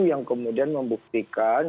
yang kemudian membuktikan